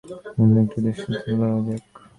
অন্য একটি দৃষ্টান্ত লওয়া যাক।